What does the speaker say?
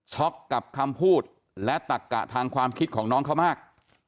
กับคำพูดและตักกะทางความคิดของน้องเขามาก